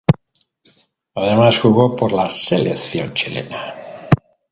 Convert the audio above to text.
Además jugó por la Selección Chilena.